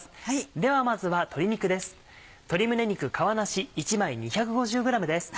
ではまずは鶏肉です。